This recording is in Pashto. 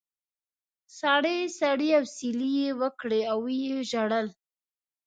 سړې سړې اسوېلې یې وکړې او و یې ژړل.